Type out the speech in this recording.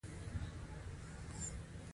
د نورو پر هغو شخوند وهل یې ښه خاصه ګرځېدلې.